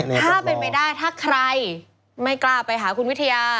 ถ้าเป็นไปได้ถ้าใครไม่กล้าไปหาคุณวิทยา